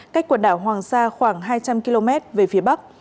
cách quần đảo hoàng sa khoảng hai trăm linh km về phía bắc